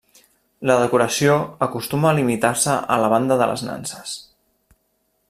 La decoració acostuma a limitar-se a la banda de les nanses.